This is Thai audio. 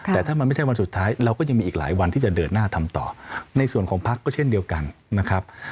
แต่ถ้ามันไม่ใช่วันสุดท้ายเราก็ยังมีอีกหลายวันที่จะเดินหน้าทำต่อในส่วนของพักก็เช่นเดียวกันนะครับ